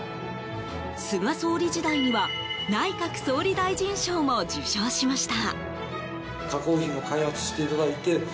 菅総理時代には内閣総理大臣賞も受賞しました。